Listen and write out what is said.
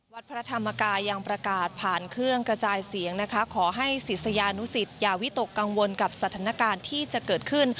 วัดพระธรรมกายยังประกาศผ่านเครื่องกระจายเสียงนะคะขอให้ศิษยานุสิตอย่าวิตกกังวลกับสถานการณ์ที่จะเกิดขึ้น